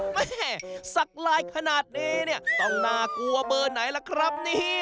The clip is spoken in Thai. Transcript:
แม่สักลายขนาดนี้เนี่ยต้องน่ากลัวเบอร์ไหนล่ะครับนี่